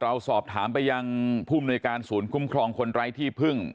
เราสอบถามไปยังภูมิหน่วยการศูนย์คุ้มครองคนไร้ที่พึ่ง